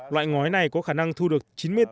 loại ngói này có khả năng thu được